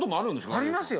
ありますよ！